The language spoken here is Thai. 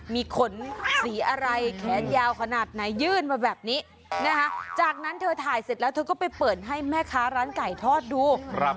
มีขนสีอะไรแขนยาวขนาดไหนยื่นมาแบบนี้นะคะจากนั้นเธอถ่ายเสร็จแล้วเธอก็ไปเปิดให้แม่ค้าร้านไก่ทอดดู